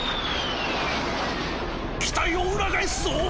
機体を裏返すぞ！